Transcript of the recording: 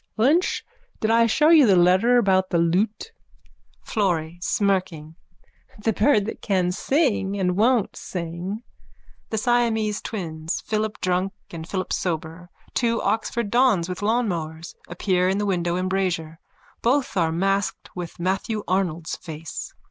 Lynch, did I show you the letter about the lute? FLORRY: (Smirking.) The bird that can sing and won't sing. _(The Siamese twins, Philip Drunk and Philip Sober, two Oxford dons with lawnmowers, appear in the window embrasure. Both are masked with Matthew Arnold's face.)